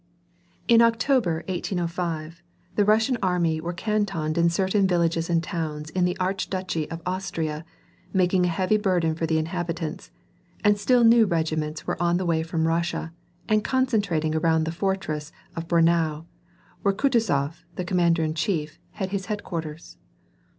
In October, 1805, the Russian army were cantoned in certain villages and towns in the archduchy of Austria, making a heavy burden for the inhabitants, and still new regiments were on the way from Russia, and concentrating around the fortress of Braunau, where Kutuzof, the commander in chief, had his headquarters.